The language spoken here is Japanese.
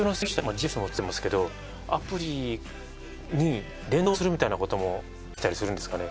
ＧＰＳもつけてますけどアプリに連動するみたいなこともできたりするんですかね。